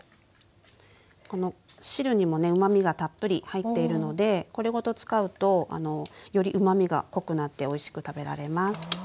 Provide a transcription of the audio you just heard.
この汁にもねうまみがたっぷり入っているのでこれごと使うとよりうまみが濃くなっておいしく食べられます。